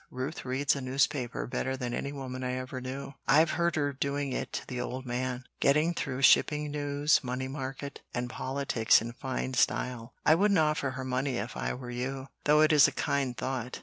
Ruth reads a newspaper better than any woman I ever knew. I've heard her doing it to the old man, getting through shipping news, money market, and politics in fine style. I wouldn't offer her money if I were you, though it is a kind thought.